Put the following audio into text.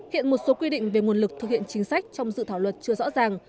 hiện một số quy định về nguồn lực thực hiện chính sách trong dự thảo luật chưa rõ ràng